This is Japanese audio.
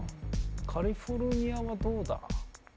カリフォルニアはどうだ。